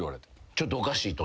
「ちょっとおかしい」と。